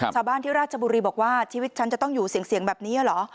ชาวบ้านที่ราชบุรีบอกว่าชีวิตฉันจะต้องอยู่เสียงแบบนี้เหรอ